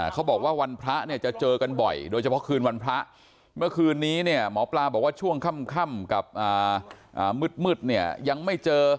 เขาบอกว่าวันพระเนี่ยจะเจอกันบ่อยโดยเฉพาะคืนวันพระเมื่อคืนนี้เนี่ยหมอปลาบอกว่าช่วงค่ำกับมืดเนี่ยยังไม่เจอ